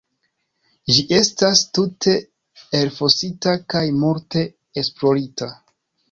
Ĝi estas tute elfosita kaj multe esplorita.